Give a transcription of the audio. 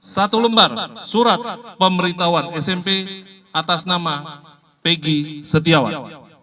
satu lembar surat pemberitahuan smp atas nama pegi setiawan